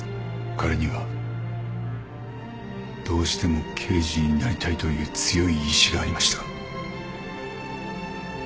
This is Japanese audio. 彼にはどうしても刑事になりたいという強い意志がありました。